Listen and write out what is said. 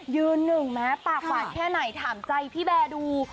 ยืนหนึ่งแม้ปากหวานแค่ไหนถามใจพี่แบร์ดู